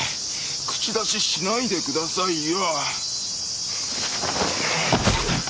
口出ししないでくださいよ。